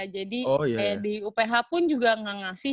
jadi kayak di uph pun juga gak ngasih